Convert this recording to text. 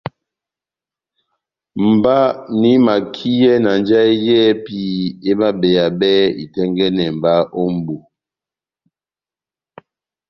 Mba nahimakiyɛ na njahɛ yɛ́hɛpi emabeyabɛ itɛ́ngɛ́nɛ mba ó mbu